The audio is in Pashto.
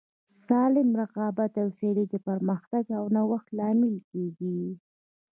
سالم رقابت او سیالي د پرمختګ او نوښت لامل کیږي.